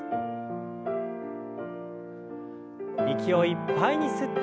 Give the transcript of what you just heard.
息をいっぱいに吸って。